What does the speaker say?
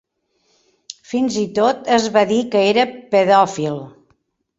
Fins i tot es va dir que era pedòfil.